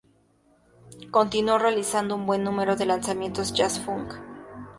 Continuó realizando un buen número de lanzamientos jazz funk.